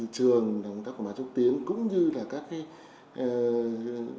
cộng đồng địa phương với doanh nghiệp